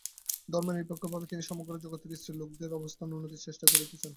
ধর্মনিরপেক্ষ ভাবে তিনি সমগ্র জগতের স্ত্রীলোকদের অবস্থার উন্নতির চেষ্টাই করিতে চান।